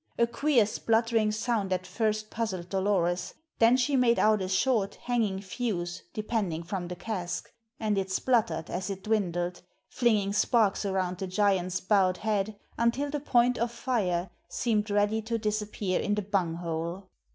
A queer, spluttering sound at first puzzled Dolores; then she made out a short, hanging fuse depending from the cask, and it spluttered as it dwindled, flinging sparks around the giant's bowed head until the point of fire seemed ready to disappear in the bung hole.